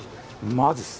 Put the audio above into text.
マジっす。